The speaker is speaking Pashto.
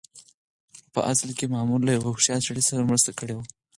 خو په اصل کې مامور له يوه هوښيار سړي سره مرسته کړې وه.